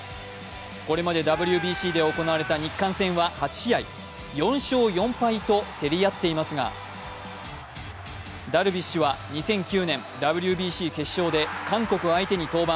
これまでＷＢＣで行われた日韓戦は８試合、４勝４敗と競り合っていますがダルビッシュは２００９年ＷＢＣ決勝で韓国相手に登板。